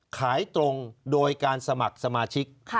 ขายตรงโดยการสมัครสมาชิก